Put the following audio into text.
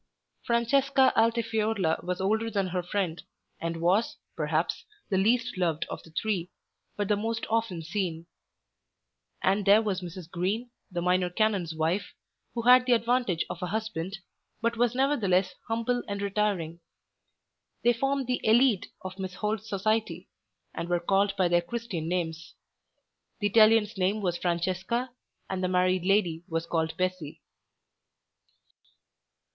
Francesca Altifiorla was older than her friend, and was, perhaps, the least loved of the three, but the most often seen. And there was Mrs. Green, the Minor Canon's wife, who had the advantage of a husband, but was nevertheless humble and retiring. They formed the élite of Miss Holt's society and were called by their Christian names. The Italian's name was Francesca and the married lady was called Bessy.